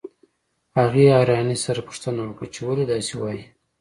هغې حيرانۍ سره پوښتنه وکړه چې ولې داسې وايئ.